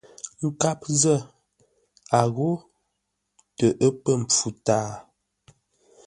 Nkâp zə̂, a ghô: tə ə́ pə̂ mpfu tâa.